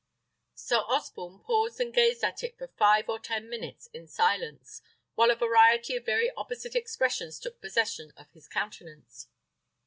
Sir Osborne paused and gazed at it for five or ten minutes in silence, while a variety of very opposite expressions took possession of his countenance.